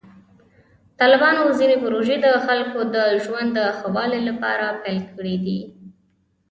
طالبانو ځینې پروژې د خلکو د ژوند د ښه والي لپاره پیل کړې دي.